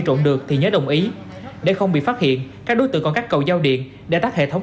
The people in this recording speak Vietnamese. trộm được thì nhớ đồng ý để không bị phát hiện các đối tượng còn cắt cầu giao điện để tắt hệ thống